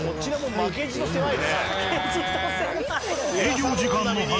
負けじと狭い。